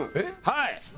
はい。